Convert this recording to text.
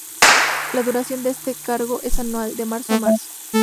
La duración de este cargo es anual, de marzo a marzo.